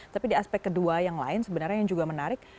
tapi di aspek kedua yang lain sebenarnya yang juga menarik